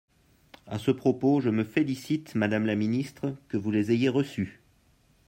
À ce propos, je me félicite, madame la ministre, que vous les ayez reçues.